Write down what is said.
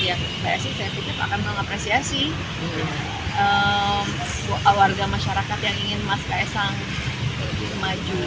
jadi bppss saya pikir akan mengapresiasi warga masyarakat yang ingin sks itu maju